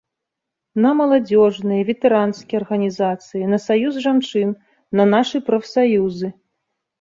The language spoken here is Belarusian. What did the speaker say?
На маладзёжныя, ветэранскія арганізацыі, на саюз жанчын, на нашы прафсаюзы.